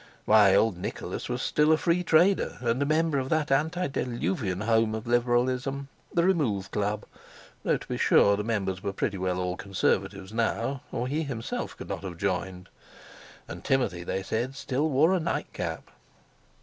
Why, old Nicholas was still a Free Trader, and a member of that antediluvian home of Liberalism, the Remove Club—though, to be sure, the members were pretty well all Conservatives now, or he himself could not have joined; and Timothy, they said, still wore a nightcap.